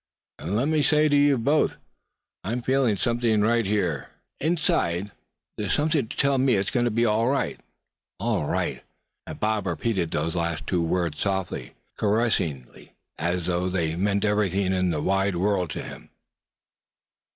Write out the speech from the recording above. And let me say to you both, I'm feelin' somethin' right here, inside, that seems to tell me it's going to be all right, all right!" and Bob repeated those last two words softly, caressingly, as though they meant everything in the wide world to him.